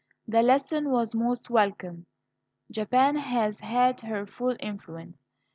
The lesson was most welcome. Japan has had her full influence.